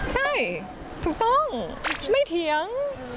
ใช่ถูกต้องไม่เถียง